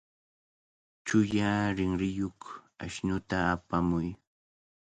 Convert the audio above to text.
Chulla rinriyuq ashnuta apamuy.